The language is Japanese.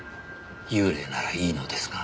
幽霊ならいいのですが。